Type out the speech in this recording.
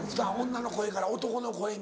女の声から男の声に。